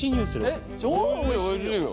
えっ超おいしいよ！